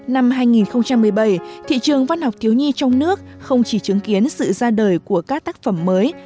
năm hai nghìn một mươi bảy thị trường văn học thiếu nhi trong nước không chỉ chứng kiến sự ra đời của các tác phẩm mới